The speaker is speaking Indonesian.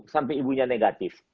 sampai ibunya negatif